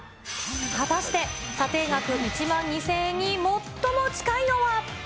果たして、査定額１万２０００円に最も近いのは。